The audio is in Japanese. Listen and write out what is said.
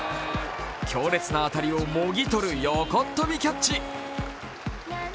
強烈な当たりをもぎ取る横っ跳びキャッチ。